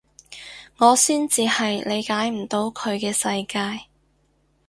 我先至係理解唔到佢嘅世界